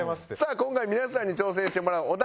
今回皆さんに挑戦してもらうお題